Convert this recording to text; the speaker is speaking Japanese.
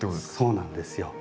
そうなんですよ。